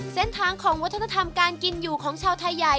เส้นทางของวัฒนธรรมการกินอยู่ของชาวไทยใหญ่